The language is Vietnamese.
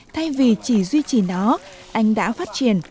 thay vì chỉ duy trì nó anh đã phát triển